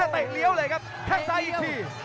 เตะเลี้ยวเลยครับแข้งซ้ายอีกที